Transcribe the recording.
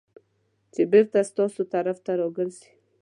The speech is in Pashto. چې بېرته ستاسو طرف ته راګرځي .